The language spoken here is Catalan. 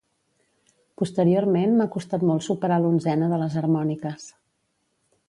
Posteriorment m'ha costat molt superar l'onzena de les harmòniques.